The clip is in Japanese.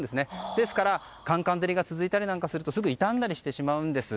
ですからかんかん照りが続いたりするとすぐ傷んだりしてしまうんです。